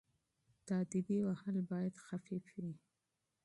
تاديبي وهل باید خفيف وي.